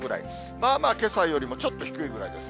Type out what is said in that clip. まあまあけさよりもちょっと低いくらいです。